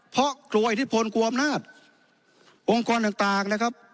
เพราะกลัวอิทธิพลกลัวอำนาจองค์กรต่างนะครับ